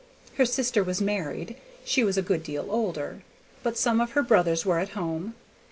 Her sister was married; she was a good deal older; but some of her brothers were at home.